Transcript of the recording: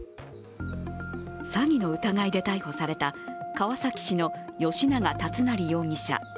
詐欺の疑いで逮捕された川崎市の吉永達成容疑者。